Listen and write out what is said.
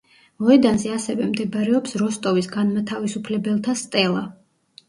მოედანზე ასევე მდებარეობს როსტოვის განმათავისუფლებელთა სტელა.